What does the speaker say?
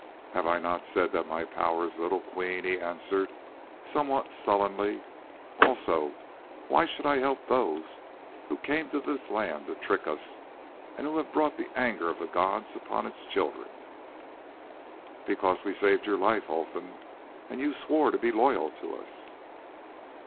"Have I not said that my power is little, Queen?" he answered somewhat sullenly. "Also, why should I help those who came to this land to trick us, and who have brought the anger of the gods upon its children?" "Because we saved your life, Olfan, and you swore to be loyal to us."